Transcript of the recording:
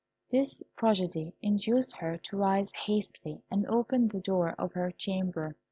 This prodigy induced her to rise hastily, and open the door of her chamber.